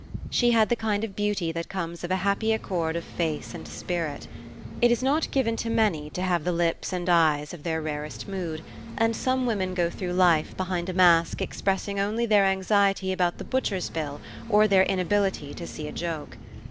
She had the kind of beauty that comes of a happy accord of face and spirit. It is not given to many to have the lips and eyes of their rarest mood, and some women go through life behind a mask expressing only their anxiety about the butcher's bill or their inability to see a joke.